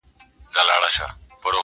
د هجران تبي نیولی ستا له غمه مړ به سمه!!